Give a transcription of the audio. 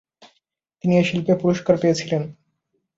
তিনি এ শিল্পে পুরস্কার পেয়েছিলেন।